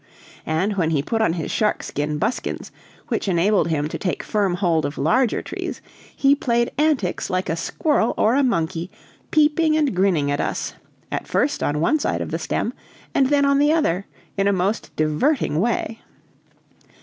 And when he put on his shark skin buskins, which enabled him to take firm hold of larger trees, he played antics like a squirrel or a monkey, peeping and grinning at us, at first on one side of the stem, and then on the other, in a most diverting way.